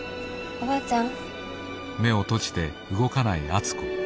おばあちゃん。